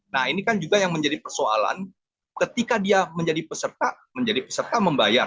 nah ini kan juga yang menjadi persoalan ketika dia menjadi peserta menjadi peserta membayar